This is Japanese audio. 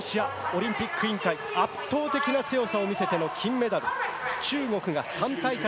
ＲＯＣ＝ロシアオリンピック委員会、圧倒的な強さを見せての金メダル。